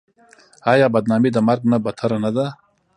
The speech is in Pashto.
آیا بدنامي د مرګ نه بدتره نه ده؟